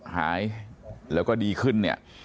หายแล้วก็ดีขึ้นเนี่ย